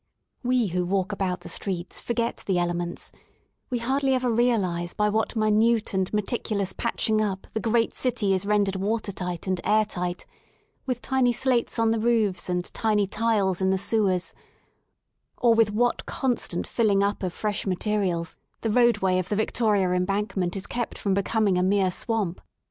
We who walk about the streets forget the elements; we hardly ever realise by what minute and meticulous patching up the great city is rendered water tight and air tight — ^with tiny slates on the roofs and tiny tiles in the sewersj or with what constant filling up of fresh materials the roadway of the Victoria Embankment is kept from becoming a mere swamp.